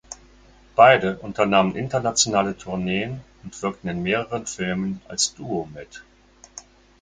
Beide unternahmen internationale Tourneen und wirkten in mehreren Filmen als Duo mit.